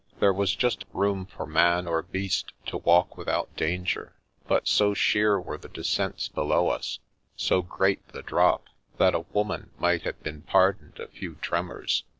There was just room for man or beast to walk with out danger, but so sheer were the descents below us, so great the drop, that a woman might have been pardoned a few tremors.